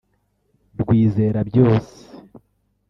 rwizera byose